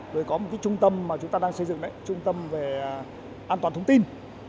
rồi có một cái trung tâm mà chúng ta đang xây dựng đấy trung tâm về an toàn thông tin